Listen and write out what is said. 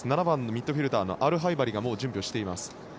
７番のミッドフィールダーアルハイバリが準備をしています。